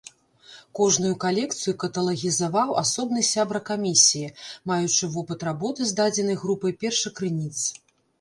Кожную калекцыю каталагізаваў асобны сябра камісіі, маючы вопыт работы з дадзенай групай першакрыніц.